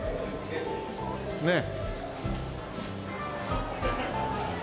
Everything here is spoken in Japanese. ねえ。